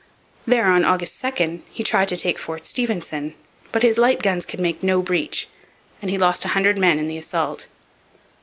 There, on August 2, he tried to take Fort Stephenson. But his light guns could make no breach; and he lost a hundred men in the assault.